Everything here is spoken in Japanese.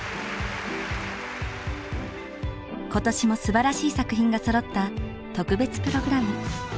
今年もすばらしい作品がそろった特別プログラム。